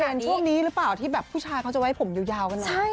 อันนี้เป็นเทรนด์ช่วงนี้หรือเปล่าที่ผู้ชายเขาจะไว้ผมยาวกันเหรอ